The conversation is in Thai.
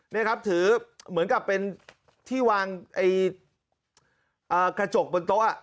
นี่ครับถือเหมือนกับเป็นที่วางไอ้กระจกบนโต๊ะ